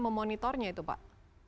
memonitornya itu pak